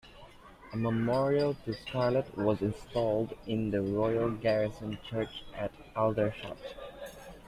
A memorial to Scarlett was installed in the Royal Garrison Church at Aldershot.